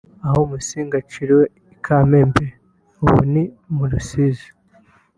Aho Musinga aciriwe i Kamembe (ubu ni muri Rusizi)